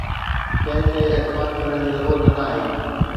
ڪنهن تي اعتبار ڪرڻ جي ضرورت ناهي